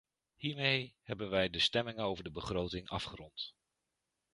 Hiermee hebben wij de stemmingen over de begroting afgerond.